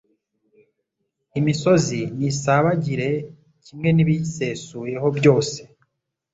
Imisozi nisabagire kimwe n’ibiyisesuyeho byose